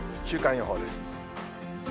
週間予報です。